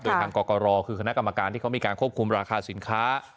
โดยทางกรกรคือคณะกรรมการที่เขามีการควบคุมราคาสินค้า